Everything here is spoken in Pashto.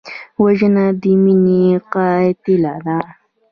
وژنه د مینې قاتله ده